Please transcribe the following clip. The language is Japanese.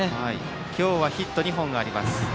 今日はヒット２本があります。